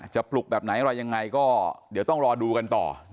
ปลุกแบบไหนอะไรยังไงก็เดี๋ยวต้องรอดูกันต่อ